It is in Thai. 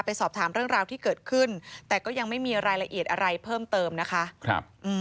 สอบถามเรื่องราวที่เกิดขึ้นแต่ก็ยังไม่มีรายละเอียดอะไรเพิ่มเติมนะคะครับ